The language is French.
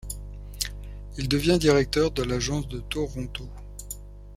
Il devient directeur de l'agence de Toronto.